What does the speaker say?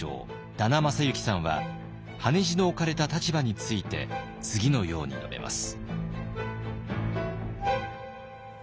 田名真之さんは羽地の置かれた立場について次のように述べます。